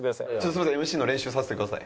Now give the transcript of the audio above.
すみませんＭＣの練習させてください。